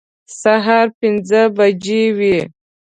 سهار پنځه بجې وې.